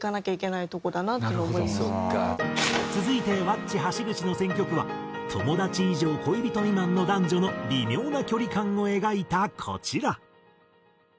続いてｗａｃｃｉ橋口の選曲は友達以上恋人未満の男女の微妙な距離感を描いたこちら。